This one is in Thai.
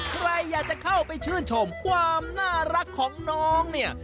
ใครอยากจะเข้าไปชื่นชมความน่ารักของน้องเนี่ย